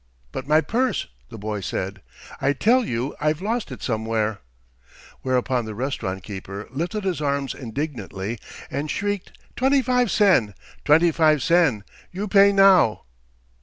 "But my purse!" the boy said. "I tell you I've lost it somewhere." Whereupon the restaurant keeper lifted his arms indignantly and shrieked: "Twenty five sen! Twenty five sen! You pay now!"